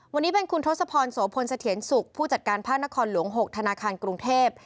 วันนี้เป็นคุณทศพรโสพลเสถียรสุขผู้จัดการภาคนครหลวง๖ธนาคารกรุงเทพ